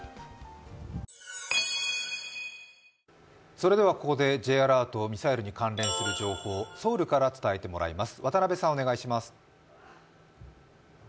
それではここでＪアラート、ミサイルに関連する情報をソウルから伝えてもらいます。